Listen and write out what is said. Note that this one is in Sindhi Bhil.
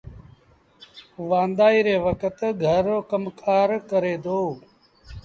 وآݩدآئيٚ ري وکت گھر رو ڪم ڪآر ڪري دو